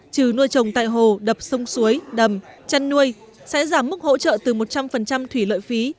trừ nuôi trồng tại hồ đập sông suối đầm chăn nuôi sẽ giảm mức hỗ trợ từ một trăm linh thủy lợi phí